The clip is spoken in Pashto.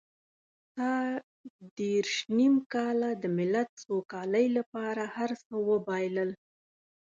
تا دېرش نيم کاله د ملت سوکالۍ لپاره هر څه وبایلل.